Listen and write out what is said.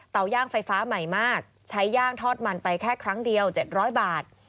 ย่างไฟฟ้าใหม่มากใช้ย่างทอดมันไปแค่ครั้งเดียว๗๐๐บาท